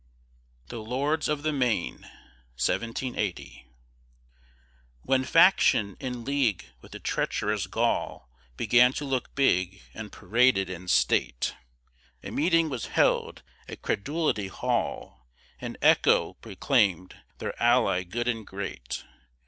THE LORDS OF THE MAIN When Faction, in league with the treacherous Gaul, Began to look big, and paraded in state, A meeting was held at Credulity Hall, And Echo proclaimed their ally good and great.